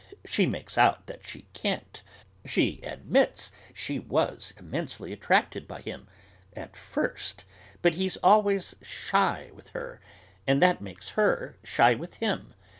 She makes out that she can't; she admits, she was immensely attracted by him, at first; but he's always shy with her, and that makes her shy with him.